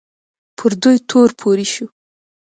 پر دوی تور پورې شو